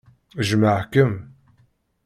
Jmeɣ-kem.